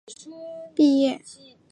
毕业于湖北省委党校经济管理专业。